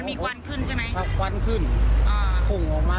มีกุญแจรถก็บิ่งออกมา